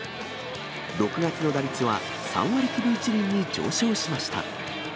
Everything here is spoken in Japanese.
６月の打率は３割９分１厘に上昇しました。